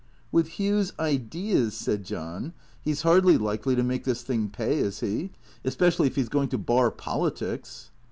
" With Hugh's ideas," said John, " he 's hardly likely to make this thing pay, is he ? Especially if he 's going to bar politics."